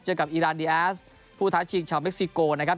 กับอีรานดีแอสผู้ท้าชิงชาวเม็กซิโกนะครับ